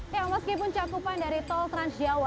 meskipun cakupan dari tol trans jawa